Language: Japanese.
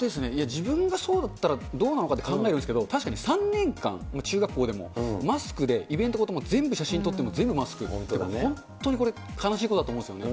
自分がそうだったらどうなのかって考えるんですけど、確かに３年間、中学校でもマスクで、イベントごとも全部、写真撮るのも全部マスク、本当にこれ、悲しいことだと思うんですよね。